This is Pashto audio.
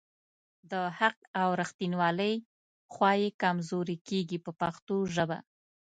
د حق او ریښتیولۍ خوا یې کمزورې کیږي په پښتو ژبه.